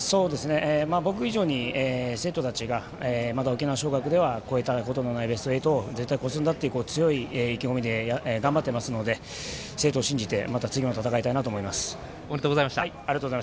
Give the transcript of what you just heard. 僕以上に生徒たちがまだ沖縄尚学では超えたことのないベスト８を絶対に超すんだという強い意気込みで頑張ってますので、生徒を信じておめでとうございました。